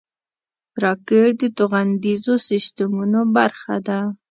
راکټ د توغندیزو سیسټمونو برخه ده